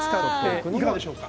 これでいかがでしょうか。